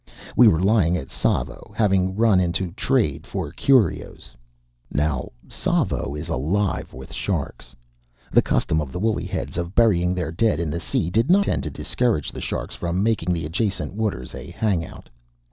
We were lying at Savo, having run in to trade for curios. Now, Savo is alive with sharks. The custom of the woolly heads of burying their dead in the sea did not tend to discourage the sharks from making the adjacent waters a hangout.